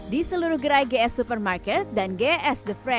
di seluruh gerai gs supermarket dan gs the fred